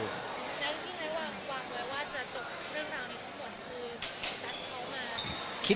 แล้วที่ไหมว่าความเหลือว่าจะจบเรื่องราวนี้ทุกคือ